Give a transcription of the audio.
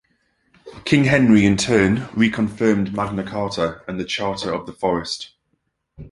King Henry in turn reconfirmed Magna Carta and the Charter of the Forest.